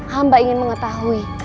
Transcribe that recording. hamba ingin mengetahui